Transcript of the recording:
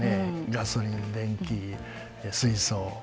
ガソリン電気水素。